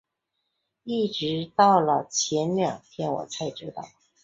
一直到了前两天我才知道